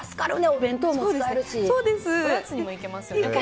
おやつにもいけますね。